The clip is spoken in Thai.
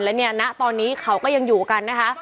และเนี่ยณตอนนี้เขาก็ยังอยู่กันนะคะ